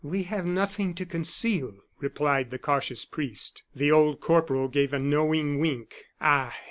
"We have nothing to conceal," replied the cautious priest. The old corporal gave a knowing wink. "Ah!